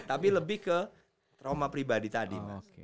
tapi lebih ke trauma pribadi tadi